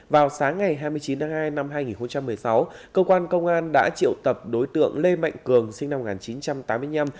vào sáng ngày hai mươi chín tháng hai năm hai nghìn một mươi sáu cơ quan công an đã triệu tập đối tượng lê mạnh cường sinh năm một nghìn chín trăm tám mươi năm